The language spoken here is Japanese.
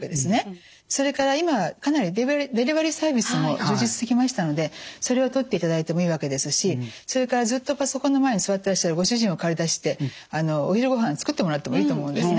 それから今かなりデリバリーサービスも充実してきましたのでそれをとっていただいてもいいわけですしそれからずっとパソコンの前に座ってらっしゃるご主人を駆り出してお昼ごはん作ってもらってもいいと思うんですね。